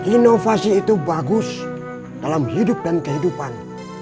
inovasi itu bagus dalam hidup dan kehidupan